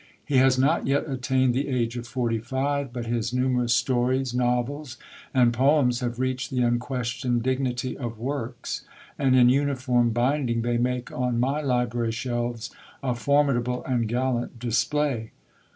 He has not yet attained the age of forty five; but his numerous stories, novels, and poems have reached the unquestioned dignity of "works," and in uniform binding they make on my library shelves a formidable and gallant display.